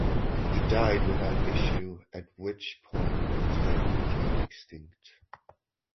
He died without issue at which point the title became extinct.